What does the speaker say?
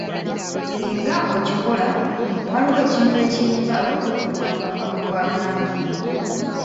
Singa okikola waliwo ekintu ekiyinza okukutuukako nga bwe twagambye.